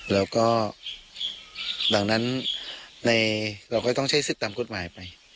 แล้วก็ดังนั้นเราก็ต้องใช้สิทธิ์ตามกฎหมายไป